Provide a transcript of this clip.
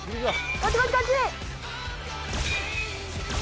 こっちこっち！